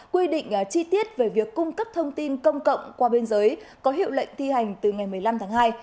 quy định chi tiết về việc cung cấp thông tin công cộng qua biên giới có hiệu lệnh thi hành từ ngày một mươi năm tháng hai